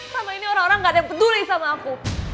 sama ini orang orang gak ada yang peduli sama aku